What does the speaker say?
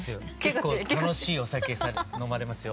結構楽しいお酒飲まれますよ。